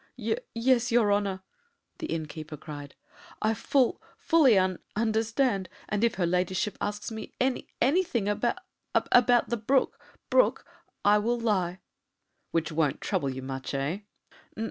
"Y yes, your honour," the innkeeper cried. "I ful fully un understand, and if her ladyship asks me any anything abou out the br br brook, I will lie." "Which won't trouble you much, eh?"